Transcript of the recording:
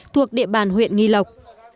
thuộc địa bàn huyện nghi lộc